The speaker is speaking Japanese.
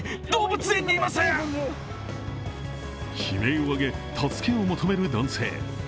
悲鳴を上げ、助けを求める男性。